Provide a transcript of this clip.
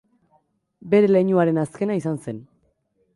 Bere leinuaren azkena izan zen.